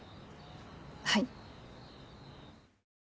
はい。